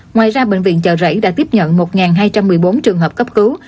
ngoài ra bệnh viện chợ rẫy đã tiếp nhận một hai trăm một mươi bốn trường hợp cấp cứu